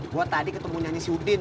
gue tadi ketemu nyanyi si udin